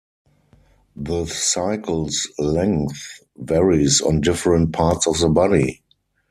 The cycle's length varies on different parts of the body.